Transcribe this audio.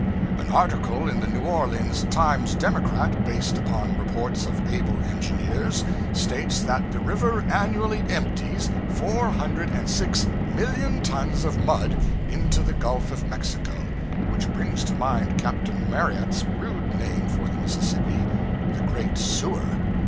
An article in the New Orleans 'Times Democrat,' based upon reports of able engineers, states that the river annually empties four hundred and six million tons of mud into the Gulf of Mexico which brings to mind Captain Marryat's rude name for the Mississippi 'the Great Sewer.'